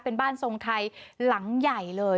เป็นบ้านทรงไทยหลังใหญ่เลย